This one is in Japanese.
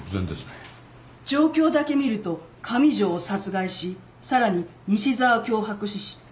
状況だけ見ると上条を殺害しさらに西沢を脅迫し失敗。